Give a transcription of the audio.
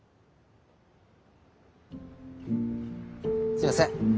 すみません。